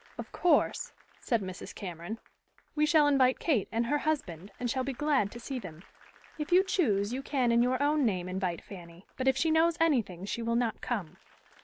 "Of course," said Mrs. Cameron, "we shall invite Kate and her husband, and shall be glad to see them. If you choose, you can in your own name invite Fanny, but if she knows anything she will not come."